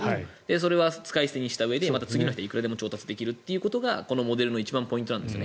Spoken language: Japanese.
そして使い捨てたうえでまた次の人をいくらでも調達できることがこのモデルの一番のポイント。